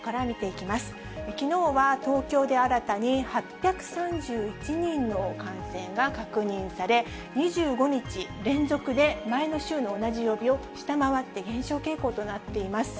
きのうは東京で新たに８３１人の感染が確認され、２５日連続で前の週の同じ曜日を下回って減少傾向となっています。